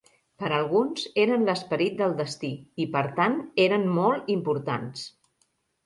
Per a alguns, eren l'esperit del destí i, per tant, eren molt importants.